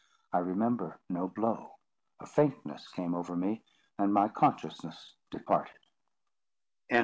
I remember no blow. A faintness came over me, and my consciousness departed.